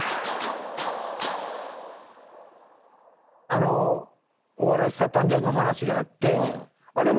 あの「お笑いスター誕生！！」の話があってあれ